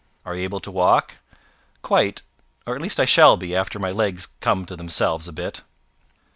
"Are you able to walk?" "Quite or at least I shall be, after my legs come to themselves a bit."